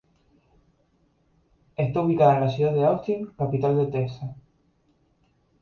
Está ubicada en la ciudad de Austin, capital de Texas.